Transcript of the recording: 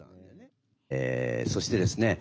そしてですね